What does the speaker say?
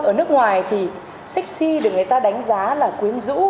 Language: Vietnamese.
ở nước ngoài thì sexy được người ta đánh giá là quyến rũ